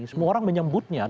semua orang menyambutnya